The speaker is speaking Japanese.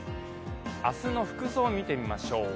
明日の服装、見てみましょう。